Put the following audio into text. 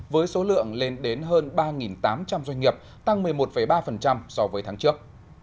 với số lượng lên đến hơn ba tám trăm linh doanh nghiệp tăng một mươi một ba so với tháng trước